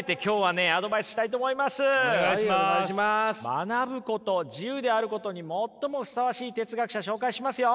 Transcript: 学ぶこと自由であることに最もふさわしい哲学者紹介しますよ！